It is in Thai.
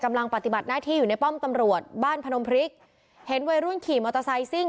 กำลังปฏิบัติหน้าที่อยู่ในป้อมตำรวจบ้านพนมพริกเห็นวัยรุ่นขี่มอเตอร์ไซค์ซิ่ง